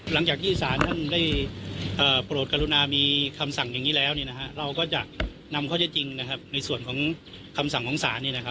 หลังจากที่สารท่านได้โปรดกรุณามีคำสั่งอย่างนี้แล้วเราก็จะนำข้อเท็จจริงในส่วนของคำสั่งของศาล